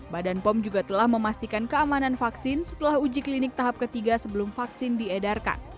badan pom juga telah memastikan keamanan vaksin setelah uji klinik tahap ketiga sebelum vaksin diedarkan